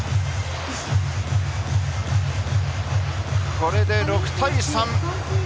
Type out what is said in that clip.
これで６対３。